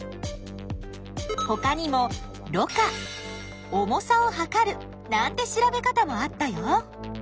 ほかにもろ過重さを量るなんて調べ方もあったよ。